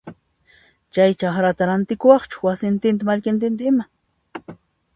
Kay chakrata rantikuwaqchu wasintinta mallkintinta ima?